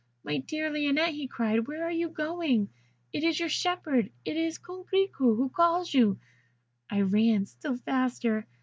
'My dear Lionette,' he cried, 'where are you going? It is your shepherd it is Coquerico who calls you.' I ran still faster.